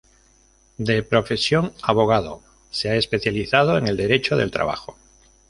De profesión abogado, se ha especializado en el Derecho del Trabajo.